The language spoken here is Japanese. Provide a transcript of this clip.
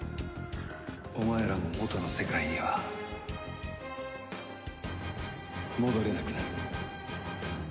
お前らも元の世界には戻れなくなる。